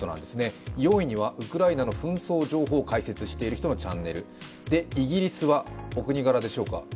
４位にはウクライナの紛争情報を解説している人のチャンネル、イギリスはお国柄でしょうか